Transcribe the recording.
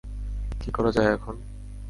কী করা যায় এখন?